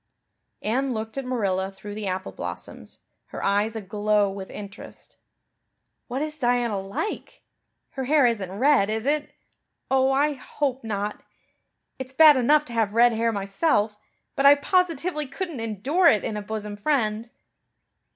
Anne looked at Marilla through the apple blossoms, her eyes aglow with interest. "What is Diana like? Her hair isn't red, is it? Oh, I hope not. It's bad enough to have red hair myself, but I positively couldn't endure it in a bosom friend."